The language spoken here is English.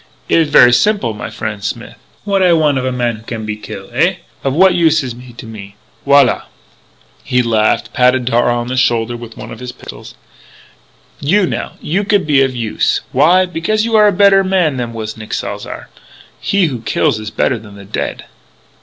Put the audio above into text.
It is ver' simple, my frien' Smith. What I want of a man who can be kill? Eh? Of what use is he to me? Voilà!" He laughed, patted Darragh on the shoulder with one of his pistols. "You, now you could be of use. Why? Because you are a better man than was Nick Salzar. He who kills is better than the dead."